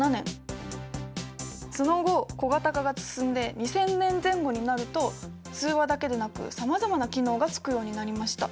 その後小型化が進んで２０００年前後になると通話だけでなくさまざまな機能がつくようになりました。